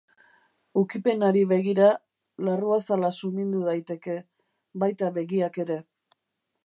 Ukipenari begira, larruazala sumindu daiteke, baita begiak ere.